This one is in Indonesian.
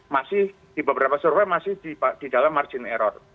masih di beberapa survei masih di dalam margin error